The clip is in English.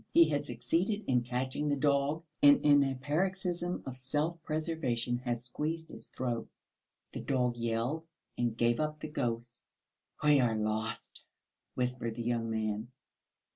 He had succeeded in catching the dog, and in a paroxysm of self preservation had squeezed its throat. The dog yelled and gave up the ghost. "We are lost!" whispered the young man.